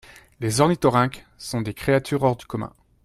Les ornithorynques sont des créatures hors du commun.